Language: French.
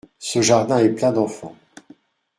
Ce jardin est plein d’enfants.